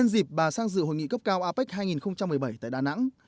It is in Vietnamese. dịp bà sang dự hội nghị cấp cao apec hai nghìn một mươi bảy tại đà nẵng